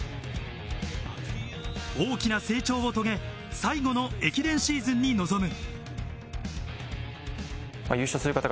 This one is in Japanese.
大きな成長を遂げ、最後の駅伝シーズンに臨む。